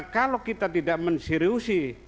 kalau kita tidak menseriusi